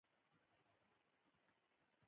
بابر اعظم د پاکستان کپتان دئ.